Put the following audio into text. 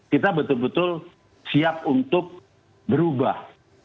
kita betul betul siap untuk berubah